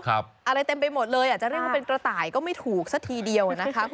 อะไรเต็มไปหมดเลยอาจจะเรียกว่าเป็นกระต่ายก็ไม่ถูกซะทีเดียวนะคะ